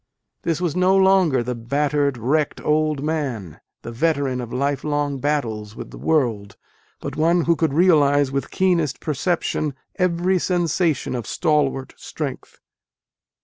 This was no longer the A DAY WITH WALT WHITMAN. " battered, wrecked old man," the veteran of life long battles with the world : but one who could realize with keenest perception every sensation of stalwart strength.